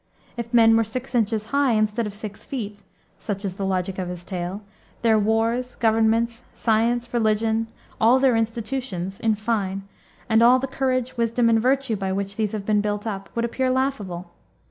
If men were six inches high instead of six feet such is the logic of his tale their wars, governments, science, religion all their institutions, in fine, and all the courage, wisdom, and virtue by which these have been built up, would appear laughable.